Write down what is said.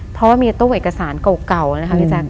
เพราะว่ามีตู้เอกสารเก่านะคะพี่แจ๊ค